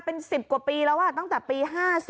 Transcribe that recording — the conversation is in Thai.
เป็น๑๐กว่าปีแล้วตั้งแต่ปี๕๔